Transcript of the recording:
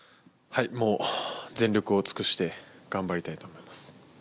全力を尽くして頑張りたいと思います。